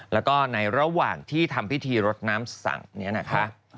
แล้วก็ในระหว่างที่ทำพิธีรดน้ำสั่งนี้นะคะ